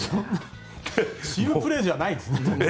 チームプレーじゃないですよね。